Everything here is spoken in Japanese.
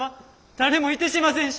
誰もいてしませんし！